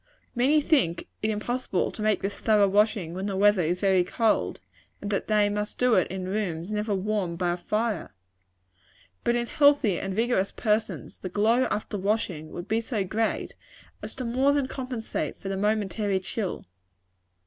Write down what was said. "Many think it impossible to make this thorough washing when the weather is very cold, and that they must do it in rooms never warmed by a fire; but in healthy and vigorous persons, the glow after washing would be so great, as to more than compensate for the momentary chill."